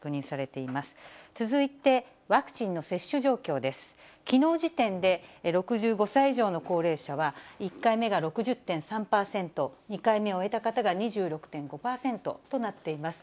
きのう時点で、６５歳以上の高齢者は、１回目が６０．３％、２回目を終えた方が２６．５％となっています。